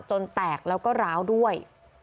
แตกแล้วก็ร้าวด้วย